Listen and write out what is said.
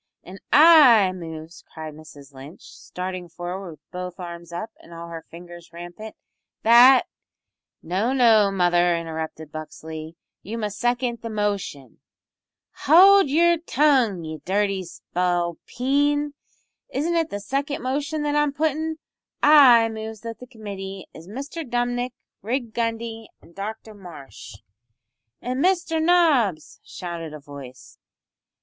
"An' I moves," cried Mrs Lynch, starting forward with both arms up and all her fingers rampant, "that " "No, no, mother," interrupted Buxley, "you must second the motion." "Howld yer tongue, ye dirty spalpeen! Isn't it the second motion that I'm puttin'? I moves that the committee is Mr Dumnik Rig Gundy an' Dr Marsh " "An' Mister Nobbs," shouted a voice.